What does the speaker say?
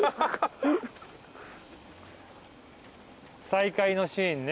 再会のシーンね。